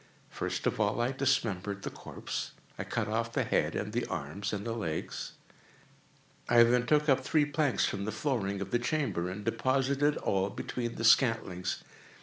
First of all I dismembered the corpse. I cut off the head and the arms and the legs. I then took up three planks from the flooring of the chamber, and deposited all between the scantlings.